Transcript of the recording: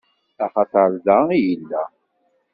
Axaṭeṛ da i yella.